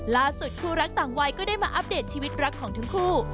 คู่รักต่างวัยก็ได้มาอัปเดตชีวิตรักของทั้งคู่